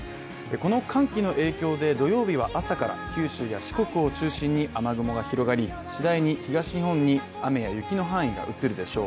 この寒気の影響で土曜日は朝から九州や四国を中心に雨雲が広がり、次第に東日本に雨や雪の範囲が移るでしょう。